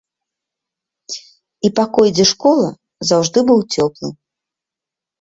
І пакой, дзе школа, заўжды быў цёплы.